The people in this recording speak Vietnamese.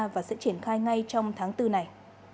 và sẽ triển khai ngay trong tháng bốn này